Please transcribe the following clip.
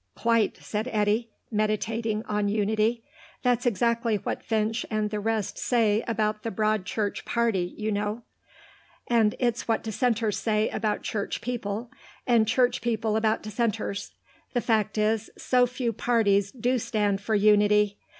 "Quite," said Eddy, meditating on unity. "That's exactly what Finch and the rest say about the Broad Church party, you know. And it's what dissenters say about Church people, and Church people about dissenters. The fact is, so few parties do stand for unity.